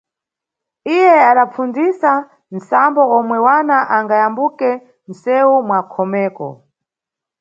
Iye adapfundzisa nʼsambo omwe wana angayambuke nʼsewu mwanʼkhomeko.